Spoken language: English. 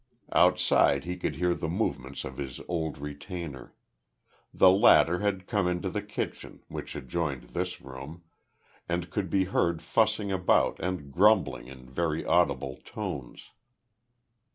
Outside he could hear the movements of his old retainer. The latter had come into the kitchen, which adjoined this room, and could be heard fussing about and grumbling in very audible tones.